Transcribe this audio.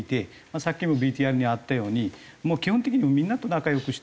さっきもＶＴＲにあったように基本的にみんなと仲良くしていく。